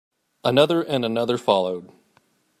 Another and another followed.